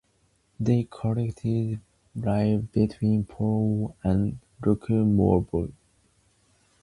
They currently live between Portugal and Luxembourg.